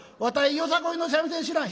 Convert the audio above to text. よさこいの三味線知らん」。